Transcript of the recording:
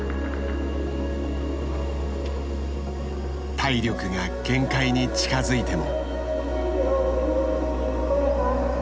体力が限界に近づいても。